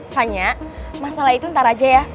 hanya masalah itu ntar aja ya